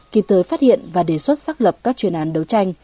kịp tới phát hiện và đề xuất xác lập các truyền án đấu tranh